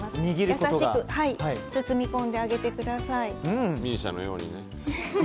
優しく包み込んであげてください。